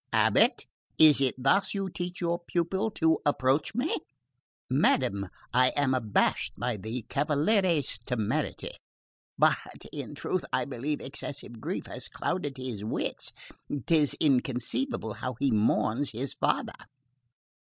Abate, is it thus you teach your pupil to approach me?" "Madam, I am abashed by the cavaliere's temerity. But in truth I believe excessive grief has clouded his wits 'tis inconceivable how he mourns his father!"